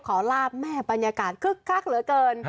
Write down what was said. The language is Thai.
ลาบแม่บรรยากาศคึกคักเหลือเกิน